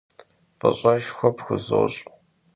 F'ış'eşşxue pxuzoş'.